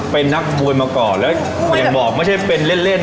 เป็นนักมวยมาก่อนแล้วอย่างบอกไม่ใช่เป็นเล่นเล่น